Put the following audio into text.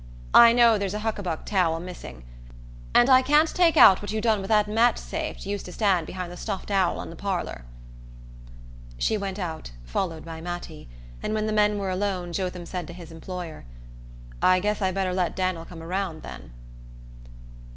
"I know there's a huckabuck towel missing; and I can't make out what you done with that match safe 't used to stand behind the stuffed owl in the parlour." She went out, followed by Mattie, and when the men were alone Jotham said to his employer: "I guess I better let Dan'l come round, then."